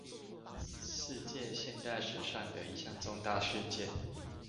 世界現代史上的一項重大事件